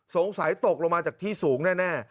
สงสัยตกลงมาจากที่สูงแน่